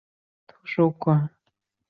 夏威夷航空是夏威夷最大的航空公司。